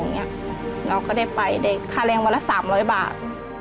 เราก็ได้ไปได้ค่าแรงวันละ๓๐๐บาท